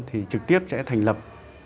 thì trực tiếp sẽ thành lập